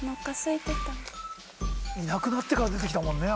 いなくなってから出て来たもんね